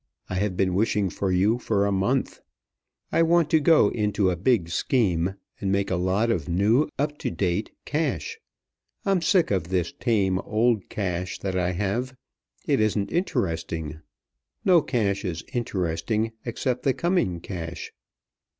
I have been wishing for you for a month. I want to go into a big scheme, and make a lot of new, up to date cash. I'm sick of this tame, old cash that I have. It isn't interesting. No cash is interesting except the coming cash."